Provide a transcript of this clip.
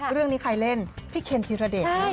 เรื่องนี้ใครเล่นพี่เคนธีรเดช